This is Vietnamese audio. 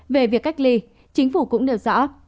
về việc cách ly chính phủ cũng đều rõ